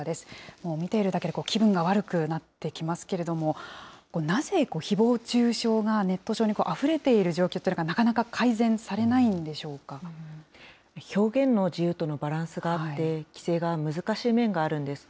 もう見ているだけで気分が悪くなってきますけれども、なぜひぼう中傷がネット上にあふれている状況というのがなかなか表現の自由とのバランスがあって、規制が難しい面があるんです。